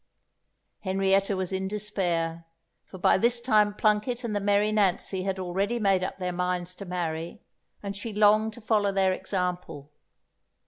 Henrietta was in despair, for by this time Plunket and the merry Nancy had already made up their minds to marry, and she longed to follow their example.